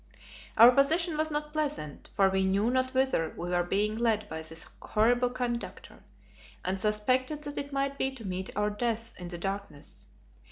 Our position was not pleasant, for we knew not whither we were being led by this horrible conductor, and suspected that it might be to meet our deaths in the darkness.